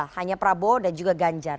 hanya prabowo dan juga ganjar